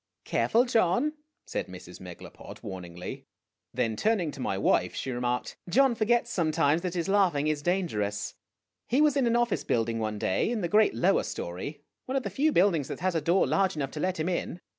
" Careful, John," said Mrs. Megalopod, warningly. Then turn ing to my wife she remarked, " John forgets sometimes that his laughing is dangerous. He was in an office building one day in the great lower story, one of the few buildings that has a door large enough to let him in.